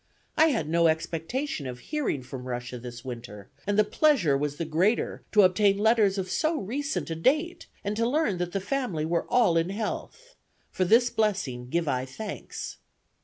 I had no expectation of hearing from Russia this winter, and the pleasure was the greater to obtain letters of so recent a date, and to learn that the family were all in health. For this blessing give I thanks.